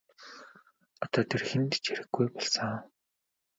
Одоо тэр хэнд ч хэрэггүй болсон.